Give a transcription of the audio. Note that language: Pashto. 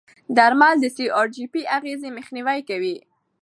درمل د سی ار جي پي اغېزې مخنیوي کوي.